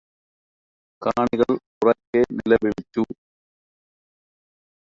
കാണികള് ഉറക്കെ നിലവിളിച്ചു